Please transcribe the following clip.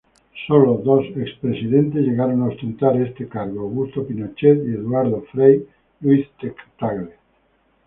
Sólo dos ex-presidentes llegaron a ostentar este cargo: Augusto Pinochet y Eduardo Frei Ruiz-Tagle.